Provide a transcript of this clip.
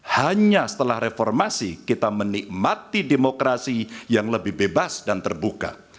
hanya setelah reformasi kita menikmati demokrasi yang lebih bebas dan terbuka